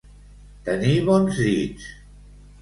Tenir bons dits.